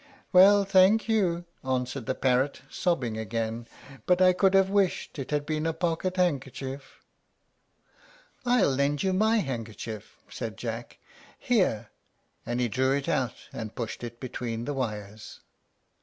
"Well, thank you," answered the parrot, sobbing again; "but I could have wished it had been a pocket handkerchief." "I'll lend you my handkerchief," said Jack. "Here!" And he drew it out, and pushed it between the wires.